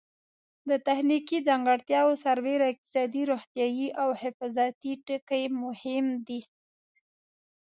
د تخنیکي ځانګړتیاوو سربېره اقتصادي، روغتیایي او حفاظتي ټکي مهم دي.